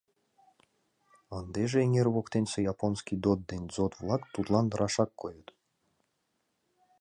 Ындыже эҥер воктенсе японский ДОТ ден ДЗОТ-влак тудлан рашак койыт.